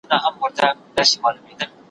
ما پرون د سبا لپاره د سوالونو جواب ورکړ؟!